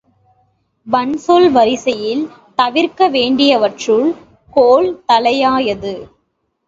வன்சொல் வரிசையில் தவிர்க்க வேண்டியவற்றுள் கோள் தலையாயது.